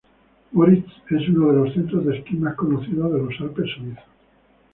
Moritz, uno de los centros de esquí más conocidos de los Alpes suizos.